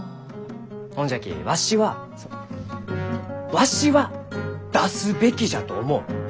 ほんじゃきわしはそうわしは出すべきじゃと思う！